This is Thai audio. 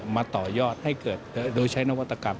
มาต่อยอดให้เกิดโดยใช้นวัตกรรม